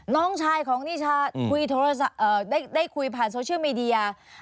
น้องชายของนิชาได้คุยผ่านโซเชียลมีเดีย